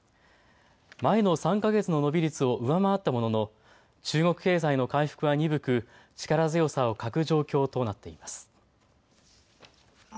前の３か月の伸び率を上回ったものの中国経済の回復は鈍く力強さを欠く状況となっています。